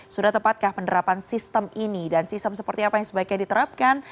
sudah tepatkah penerapan sistem ini dan sistem seperti apa yang sebaiknya diterapkan